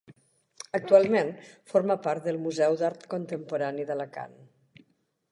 Actualment forma part del Museu d'Art Contemporani d'Alacant.